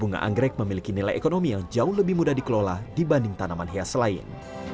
bunga anggrek memiliki nilai ekonomi yang jauh lebih mudah dikelola dibanding tanaman hias lain